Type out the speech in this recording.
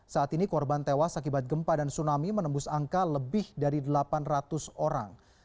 saat ini korban tewas akibat gempa dan tsunami menembus angka lebih dari delapan ratus orang